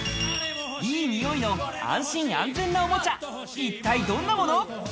いいにおいの安心安全なおもちゃ、一体どんなもの？